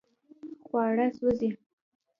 خواړه سوځي